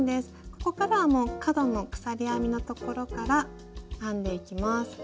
ここからは角の鎖編みのところから編んでいきます。